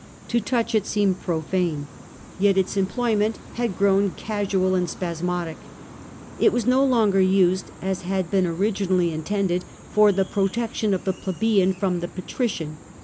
To touch it seemed profane. Yet its employment had grown THE AGRARIAN LAW OF GRACCHUS 29 casual and spasmodic. It was no longer used (as had been originally intended) for the protection of the plebeian from the patrician.